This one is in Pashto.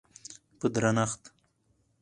په درنښت